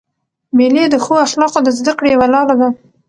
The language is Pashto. مېلې د ښو اخلاقو د زدهکړي یوه لاره ده.